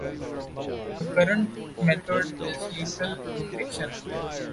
The current method is lethal injection.